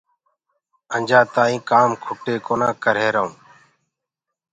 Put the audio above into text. اجآنٚ تآئيٚنٚ ڪآم کٽي ڪونآ ڪرريهرآئونٚ